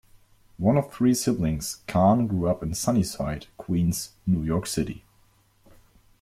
One of three siblings, Caan grew up in Sunnyside, Queens, New York City.